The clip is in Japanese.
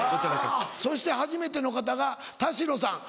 そして初めての方が田代さん。